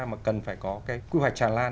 mà cần phải có cái quy hoạch tràn lan